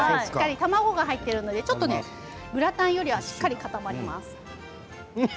卵が入っているのでグラタンよりしっかり固まります。